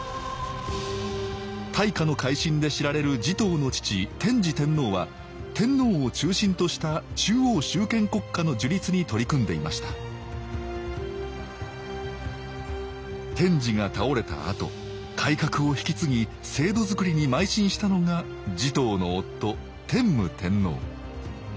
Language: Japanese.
大化の改新で知られる持統の父天智天皇は天皇を中心とした中央集権国家の樹立に取り組んでいました天智が倒れたあと改革を引き継ぎ制度づくりにまい進したのが持統の夫天武天皇。